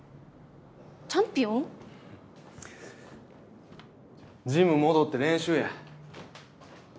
チャンピオン⁉ジム戻って練習や。